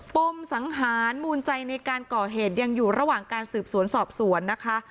ปมสังหารมูลใจในการก่อเหตุยังอยู่ระหว่างการสืบสวนสอบสวนนะคะ